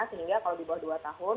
sehingga kalau di bawah dua tahun